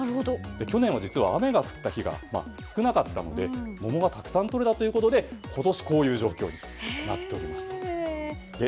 去年は実は雨が降った日が少なかったので、桃がたくさんとれたということで今年こういう状況になっております。